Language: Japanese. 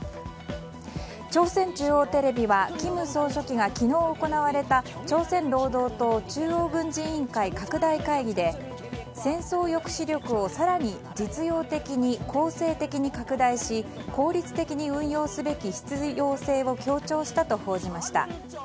朝鮮中央テレビは金総書記が昨日行われた朝鮮労働党中央軍事委員会拡大会議で戦争抑止力を更に実用的に攻勢的に拡大し効率的に運用すべき必要性を強調したと報じました。